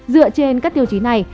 dựa trên các tiêu chí này